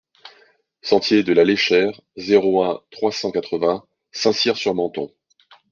Sentier de la Léchère, zéro un, trois cent quatre-vingts Saint-Cyr-sur-Menthon